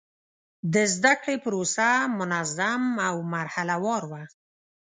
د زده کړې پروسه منظم او مرحله وار وه.